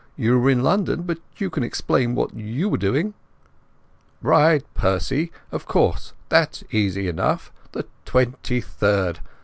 You were in London, but you can explain what you were doing." "Right, Percy! Of course that's easy enough. The 23rd!